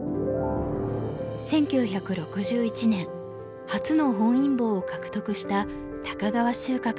１９６１年初の本因坊を獲得した高川秀格との七番勝負。